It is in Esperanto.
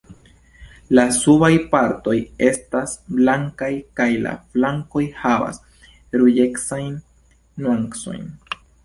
La subaj partoj estas blankaj kaj la flankoj havas ruĝecajn nuancojn.